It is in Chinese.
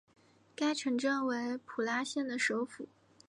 该城镇为普拉县的首府。